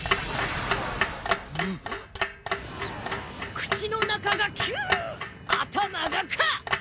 口の中がキュー頭がカッ！